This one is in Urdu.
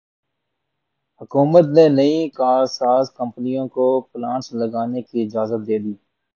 حکومت نے نئی کارساز کمپنیوں کو پلانٹس لگانے کی اجازت دیدی